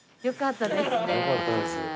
よかったです。